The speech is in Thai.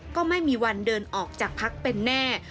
ก็ไม่มีวันเดินออกจากพักเป็นแน่